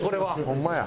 ホンマや。